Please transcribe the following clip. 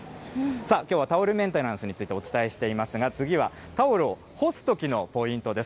さあ、きょうはタオルメンテナンスについてお伝えしていますが、次は、タオルを干すときのポイントです。